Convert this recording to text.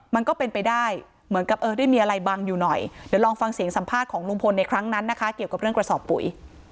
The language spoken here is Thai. มันก็เป็นไปได้เหมือนกับเออได้มีอะไรบังอยู่หน่อยเดี๋ยวลองฟังเสียงสัมภาษณ์ของลุงพลในครั้งนั้นนะคะเกี่ยวกับเรื่องกระสอบปุ๋ย